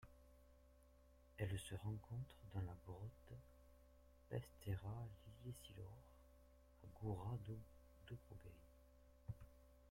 Elle se rencontre dans la grotte Peştera Liliecilor à Gura Dobrogei.